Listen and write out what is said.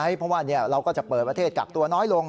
ชาวต่างชาติไหมเพราะว่าเราก็จะเปิดประเทศกักตัวน้อยลง